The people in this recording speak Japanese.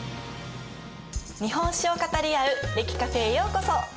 日本史を語り合う歴Ｃａｆｅへようこそ！